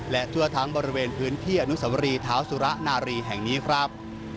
และทั่วทั้งบริเวณพื้นที่อนุสวรีเท้าสุระนารีแห่งนี้ครับ